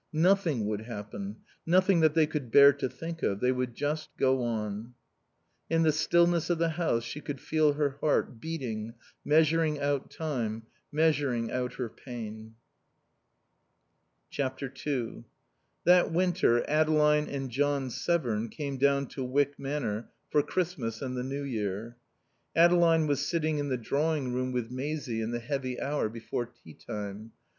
Nothing would happen. Nothing that they could bear to think of. They would just go on. In the stillness of the house she could feel her heart beating, measuring out time, measuring out her pain. ii That winter Adeline and John Severn came down to Wyck Manor for Christmas and the New Year. Adeline was sitting in the drawing room with Maisie in the heavy hour before tea time.